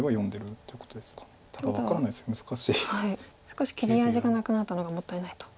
少し切り味がなくなったのがもったいないと。